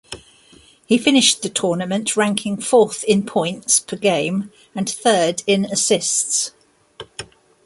He finished the tournament ranking fourth in points per game and third in assists.